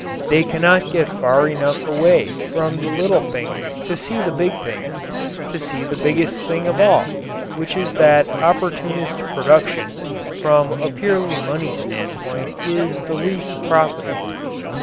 They cannot get far enough away from the little things to see the big things to see the biggest thing of all, which is that opportunist production from a purely money standpoint is the least profitable.